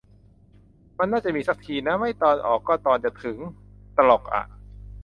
มันน่าจะมี สักทีนะ ไม่ตอนออกก็ตอนจะถึง ตลกอะ